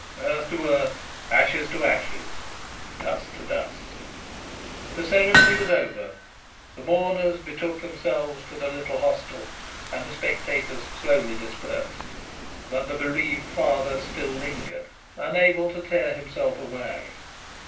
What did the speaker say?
Earth to earth; ashes to ashes; dust to dust. The ceremony was over, the mourners betook themselves to the little hostel, and the spectators slowly dispersed; but the bereaved father still lingered, unable to tear himself away.